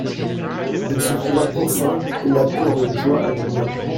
Elle se trouva enceinte et l'apprit avec joie à Julien.